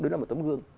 đứng làm một tấm gương